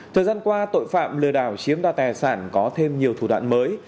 thời gian qua tội phạm lừa đảo chiếm đoạt tài sản có thêm nhiều thủ đoạn mới